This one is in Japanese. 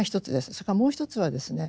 それからもう一つはですね